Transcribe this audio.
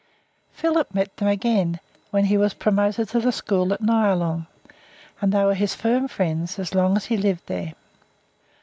Philip met them again when he was promoted to the school at Nyalong, and they were his firm friends as long as he lived there.